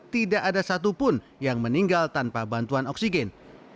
tidak ada satupun yang meninggal tanpa bantuan oksigen